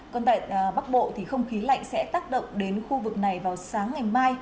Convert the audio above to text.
còn tại bắc bộ thì không khí lạnh sẽ tác động đến khu vực này vào sáng ngày mai